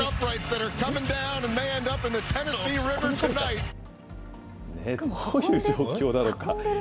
どういう状況だろうか。